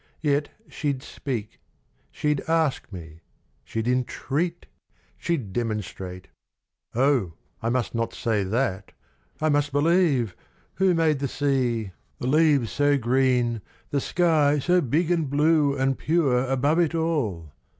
—Yet she'd speak: She'd ask me: she'd entreat: she'd demonstrate. O I must not say that! I must believe! Who made the sea, the leaves so green, the sky So big and blue and pure above it all?